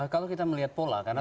kalau kita melihat pola karena